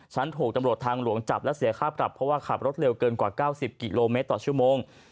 ถูกตำรวจทางหลวงจับและเสียค่าปรับเพราะว่าขับรถเร็วเกินกว่า๙๐กิโลเมตรต่อชั่วโมง